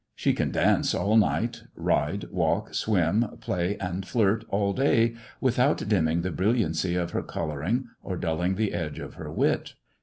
She can dance all night, ride, walk, swim, play, and flirt all day, without dimming the brilliancy of her colouring or dulling the edge of her wit.